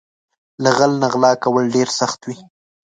له غل نه غلا کول ډېر سخت وي